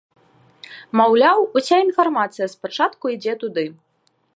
Маўляў, уся інфармацыя спачатку ідзе туды.